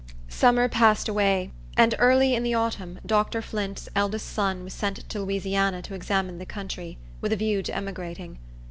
Summer passed away, and early in the autumn Dr. Flint's eldest son was sent to Louisiana to examine the country, with a view to emigrating.